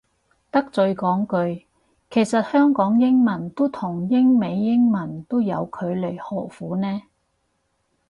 得罪講句，其實香港英文都同英美英文都有距離何苦呢